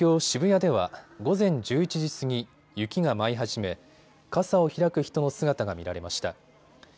渋谷では午前１１時過ぎ、雪が舞い始め傘を開く人の姿が見られました。